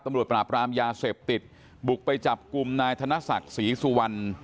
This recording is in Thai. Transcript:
ปราบรามยาเสพติดบุกไปจับกลุ่มนายธนศักดิ์ศรีสุวรรณ